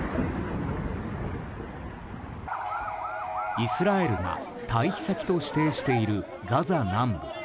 イスラエルが退避先として指定しているガザ南部。